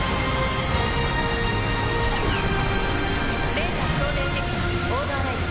レーザー送電システムオーバーライド。